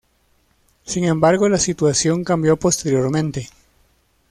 Sin embargo, la situación cambió posteriormente.